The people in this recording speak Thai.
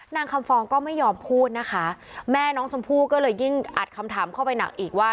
นางคำฟองก็ไม่ยอมพูดนะคะแม่น้องชมพู่ก็เลยยิ่งอัดคำถามเข้าไปหนักอีกว่า